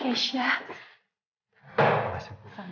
terus aja sampe sekarang